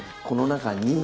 この中に。